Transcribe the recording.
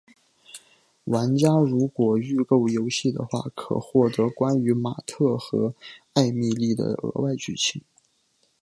玩家如果预购游戏的话可获得关于马特和艾蜜莉的额外剧情。